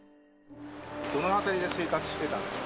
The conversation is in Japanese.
どの辺りで生活してたんです